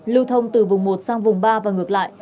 lưu thông từ vùng một sang vùng ba và ngược lại